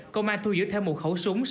công an thu giữ thêm một khẩu súng